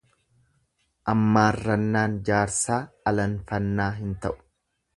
Ammaarrannaan jaarsaa alanfannaa hin ta'u.